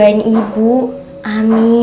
maka dia bisa berusaha